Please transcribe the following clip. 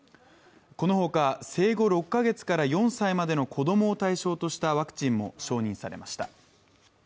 このほか生後６か月から４歳までの子供を対象にしたワクチンも承認されました。